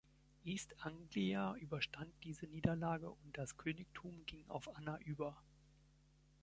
East Anglia überstand diese Niederlage und das Königtum ging auf Anna über.